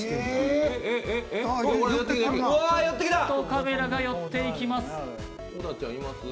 カメラが寄っていきます。